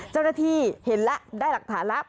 เจ้าหน้าที่เห็นแล้วได้หลักฐานแล้ว